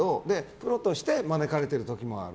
プロとして招かれてる時もある。